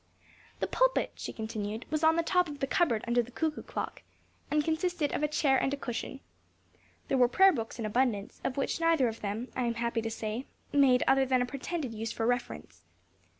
"The pulpit," she continued, "was on the top of the cupboard under the cuckoo clock, and consisted of a chair and a cushion. There were prayer books in abundance; of which neither of them, I am happy to say, made other than a pretended use for reference.